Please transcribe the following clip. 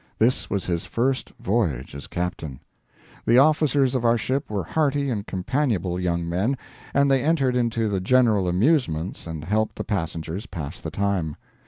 This was his first voyage as captain. The officers of our ship were hearty and companionable young men, and they entered into the general amusements and helped the passengers pass the time.